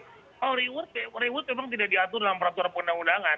kalau reward memang tidak diatur dalam peraturan undang undangan